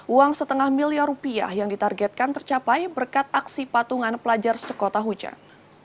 uang setengah miliar rupiah yang ditargetkan tercapai berkat aksi patungan pelajar sekota hujan